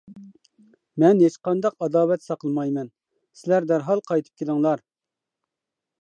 مەن ھېچقانداق ئاداۋەت ساقلىمايمەن، سىلەر دەرھال قايتىپ كېلىڭلار.